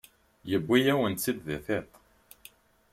Yewwi-yawen-tt-id di tiṭ.